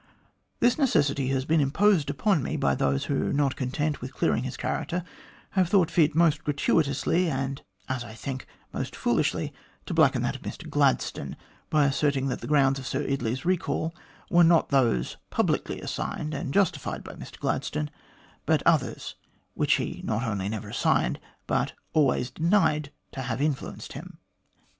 This necessity has been imposed upon me by those, who, not content with clearing his character, have thought fit, most gratuitously, and, as I think, most foolishly, to blacken that of Mr Gladstone, by asserting that the grounds of Sir Eardley's recall were not those publicly assigned and justified by Mr Gladstone, but others, which he not only never assigned, but always denied to have influenced him."